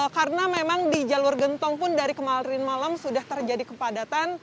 karena memang di jalur gentong pun dari kemarin malam sudah terjadi kepadatan